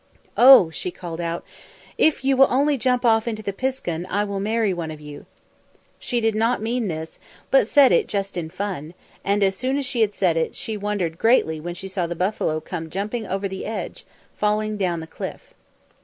"Oh," she called out, "if you will only jump off into the piskun I will marry one of you." She did not mean this, but said it just in fun, and as soon as she had said it, she wondered greatly when she saw the buffalo come jumping over the edge, falling down the cliff.